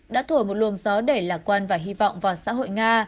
đã thổi một luồng gió đẩy lạc quan và hy vọng vào xã hội nga